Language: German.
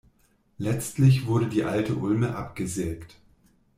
Letztlich wurde die alte Ulme abgesägt.